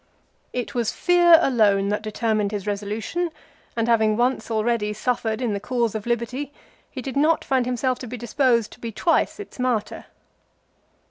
" It was fear alone that determined his reso lution ; and having once already suffered in the cause of CICERO, jETAT. 52, 53, AND 54. 57 liberty, he did not find himself to be disposed to be twice its martyr."